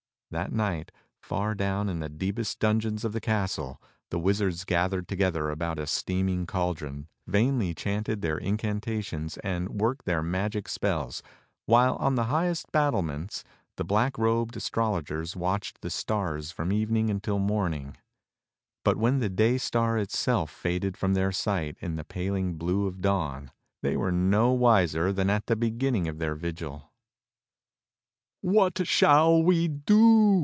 That night, far down in the deepest dungeons of the castle, the wizards gathered together about a steaming cauldron, vainly chanted their incantations and worked their magic spells, while on the highest battlements, the black robed astrologers watched the stars from even ing until morning; but when the day star itself faded from their sight in the paling blue of dawn, they were no wiser than at the beginning of their vigil. "What shall we do.?"